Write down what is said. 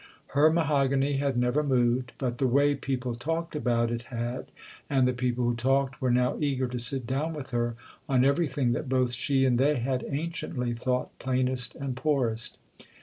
Her mahogany had never moved, but 26o THE OTHER HOUSE the way people talked about it had, and the people who talked were now eager to sit down with her on everything that both she and they had anciently thought plainest and poorest.